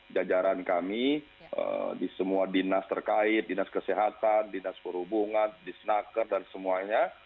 jajaran kami di semua dinas terkait dinas kesehatan dinas perhubungan di snaker dan semuanya